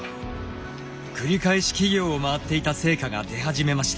繰り返し企業を回っていた成果が出始めました。